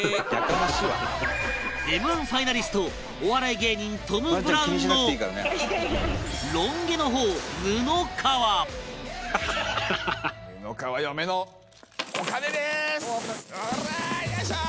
Ｍ‐１ファイナリストお笑い芸人、トム・ブラウンのロン毛の方、布川布川：おらー！よいしょー！